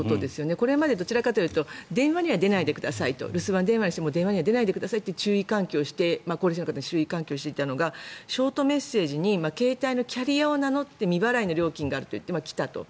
これまでどちらかというと電話には出ないでくださいと留守番にして電話に出ないでくださいという高齢者の方に注意喚起をしていたのがショートメッセージに携帯のキャリアを名乗って未払いの料金があるといって来たと。